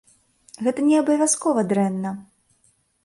Гэта не абавязкова дрэнна.